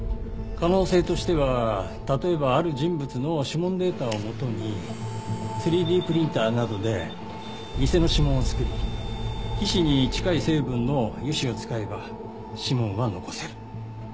可能性としては例えばある人物の指紋データを元に３Ｄプリンターなどで偽の指紋を作り皮脂に近い成分の油脂を使えば指紋は残せる。